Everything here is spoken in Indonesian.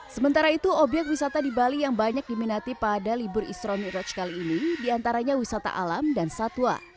sementara itu obyek wisata di bali yang banyak diminati pada libur isra miraj kali ini diantaranya wisata alam dan satwa